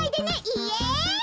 イエイ！